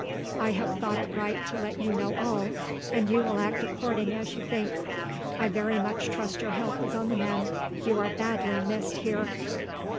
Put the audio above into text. I have thought it right to let you know all, and you will act according as you think. I very much trust your health is on the mend, you are badly missed here."